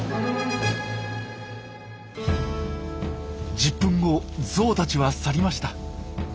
１０分後ゾウたちは去りました。